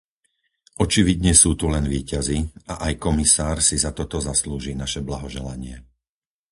Očividne sú tu len víťazi a aj komisár si za toto zaslúži naše blahoželanie.